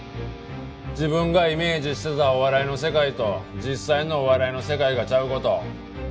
自分がイメージしてたお笑いの世界と実際のお笑いの世界がちゃう事。